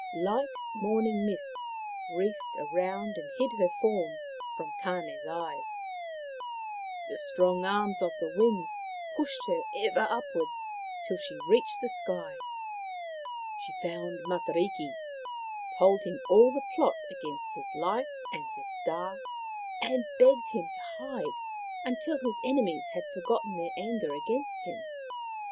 Light morning mists wreathed round and hid her form from Tane's eyes ; the strong arms of the Wind pushed her ever upward till she reached the sky. She found Matariki, told him all the plot against his life and his star, and begged him to hide until his enemies had forgotten their anger against him.